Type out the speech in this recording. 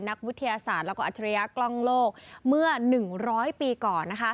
นักวิทยาศาสตร์และอัจฉริยะกล้องโลกเมื่อ๑๐๐ปีก่อน